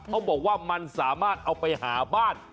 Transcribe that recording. เขาบอกว่ามันสามารถเอาไปหาบ้าน